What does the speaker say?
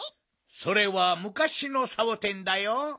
それはむかしのサボテンだよ。